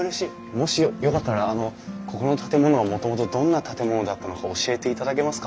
もしよかったらここの建物はもともとどんな建物だったのか教えていただけますか？